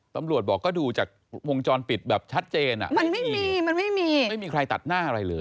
ตำรวจบอกก็ดูจากวงจรปิดแบบชัดเจนอ่ะมันไม่มีมันไม่มีไม่มีใครตัดหน้าอะไรเลย